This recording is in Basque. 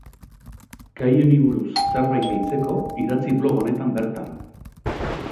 Gai honi buruz zerbait gehitzeko idatzi blog honetan bertan.